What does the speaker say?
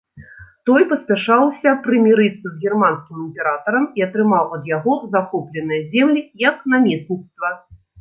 Той паспяшаўся прымірыцца з германскім імператарам і атрымаў ад яго захопленыя землі як намесніцтва.